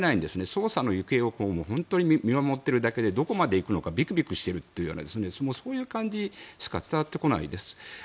捜査の行方を本当に見守っている感じでどこまで行くのかビクビクしているというそういう感じしか伝わってこないです。